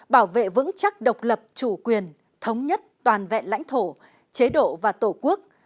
bảo vệ vững chắc độc lập chủ quyền thống nhất toàn vẹn lãnh thổ chế độ và tổ quốc